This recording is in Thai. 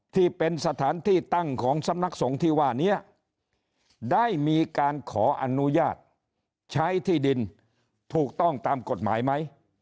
ที่เป็นสถานที่ตั้งของสำนักสงฆ์ที่ว่านี้ได้มีการขออนุญาตใช้ที่ดินถูกต้องตามกฎหมายไหม